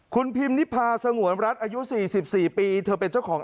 คุณพิมนิพาสงวนรัฐอายุ๔๔ปีเธอเป็นเจ้าของ